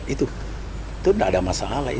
itu tidak ada masalah